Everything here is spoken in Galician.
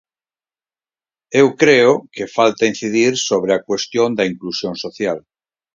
Eu creo que falta incidir sobre a cuestión da inclusión social.